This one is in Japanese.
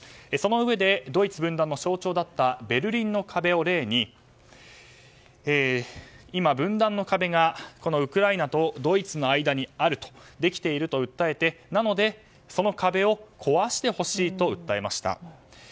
そのうえでドイツ分断の象徴だったベルリンの壁を例に今、分断の壁がウクライナとドイツの間にできていると訴えてなので、その壁を壊してほしいと訴えました。